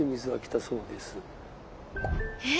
えっ！